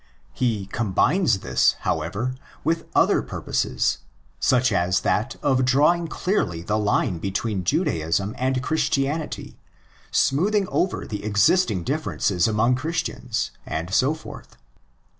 He combines this, however, with other purposes; such as that of drawing clearly the line between Judaism and Christianity, smoothing over the existing differences among Christians, and so forth.